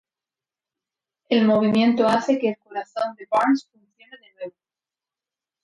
El movimiento hace que el corazón de Burns funcione de nuevo.